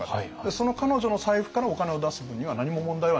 その彼女の財布からお金を出す分には何も問題はないんですよね。